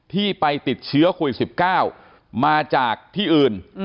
ที่ไปติดเชื้อโควิด๑๙มาจากที่อื่น